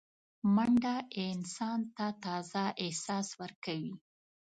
منډه انسان ته تازه احساس ورکوي